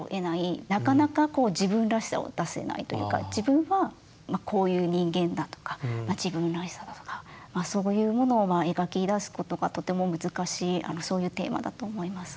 なかなか自分らしさを出せないというか自分はこういう人間だとか自分らしさだとかそういうものを描き出すことがとても難しいそういうテーマだと思います。